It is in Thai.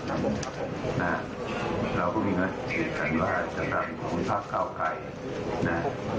เราก็มีนักศึกษาสรรวจสำหรับของภักดิ์เข้าไกร